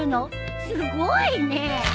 すごいねえ。